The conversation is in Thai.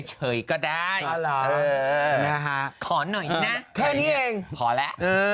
เฉยก็ได้ขอหน่อยนะแค่นี้เองพอแล้ว